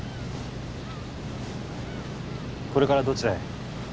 これからどちらへ？